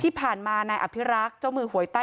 ความปลอดภัยของนายอภิรักษ์และครอบครัวด้วยซ้ำ